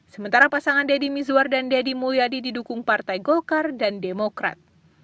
sementara pasangan deddy mizwar dan deddy mulyadi didukung partai golkar dan demokrat